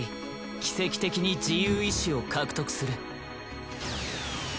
奇跡的に自由意思を獲得する。